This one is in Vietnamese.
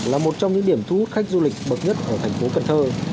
là một trong những điểm thu hút khách du lịch bậc nhất ở thành phố cần thơ